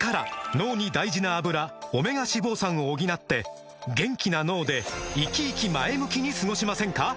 脳に大事な「アブラ」オメガ脂肪酸を補って元気な脳でイキイキ前向きに過ごしませんか？